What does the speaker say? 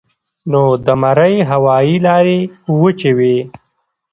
نو د مرۍ هوائي لارې وچې وي